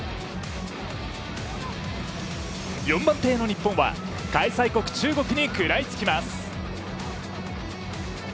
４番挺の日本は開催国・中国に食らいつきます。